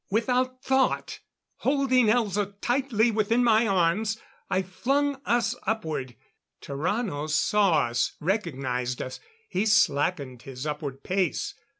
Without thought holding Elza tightly within my arms I flung us upward. Tarrano saw us, recognized us. He slackened his upward pace.